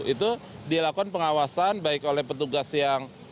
itu dilakukan pengawasan baik oleh petugas yang